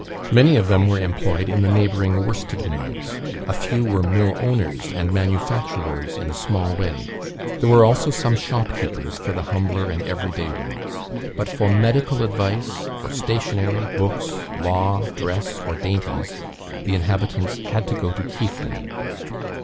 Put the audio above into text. Many of them were employed in the neighbouring worsted mills; a few were mill owners and manufacturers in a small way; there were also some shopkeepers for the humbler and everyday wants; but for medical advice, for stationery, books, law, dress, or dainties, the inhabitants had to go to Keighley.